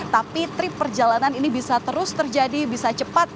tapi trip perjalanan ini bisa terus terjadi bisa cepat